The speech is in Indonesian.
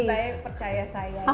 cerita yang percaya saya